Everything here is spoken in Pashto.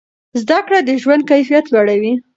زده کړه د ژوند کیفیت لوړوي.